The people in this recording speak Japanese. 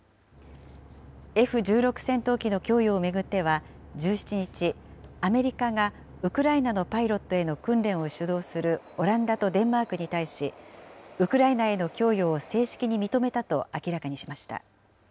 Ｆ１６戦闘機の供与を巡っては１７日、アメリカがウクライナのパイロットへの訓練を主導するオランダとデンマークに対し、ウクライナへの供与を正式に認めたと明らかにしました。